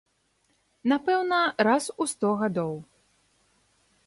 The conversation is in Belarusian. Напэўна, раз у сто гадоў.